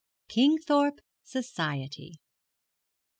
KINGTHORPE SOCIETY.